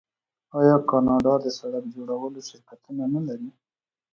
آیا کاناډا د سړک جوړولو شرکتونه نلري؟